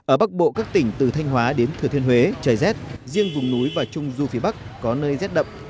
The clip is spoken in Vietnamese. ở bắc bộ các tỉnh từ thanh hóa đến thừa thiên huế trời rét riêng vùng núi và trung du phía bắc có nơi rét đậm